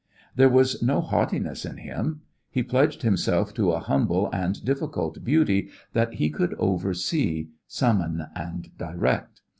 There was no haughtiness in him. He pledged himself to a humble and difficult beauty that he could oversee, summon and direct.